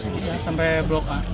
iya sampai blok a